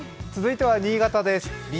続いては新潟です。